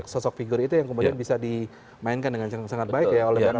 sosok figur itu yang kemudian bisa dimainkan dengan sangat baik ya oleh karena